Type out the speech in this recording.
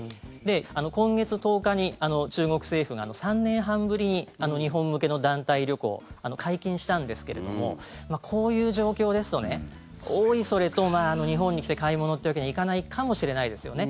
今月１０日に中国政府が３年半ぶりに日本向けの団体旅行を解禁したんですがこういう状況ですとおいそれと日本に来て買い物というわけにはいかないかもしれないですよね。